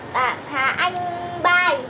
bạn hà anh bài